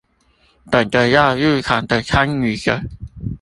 等著要入場的參與者